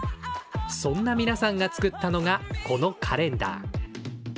そんな皆さんが作ったのがこのカレンダー。